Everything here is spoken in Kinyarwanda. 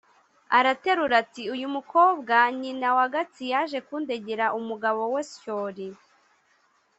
Araterura, ati: "Uyu mukobwa nyina wa Gatsi yaje kundegera umugabo we Syoli